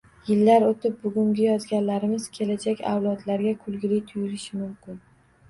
Yillar o'tib, bugungi yozganlarimiz kelajak avlodlarga kulgili tuyulishi mumkin.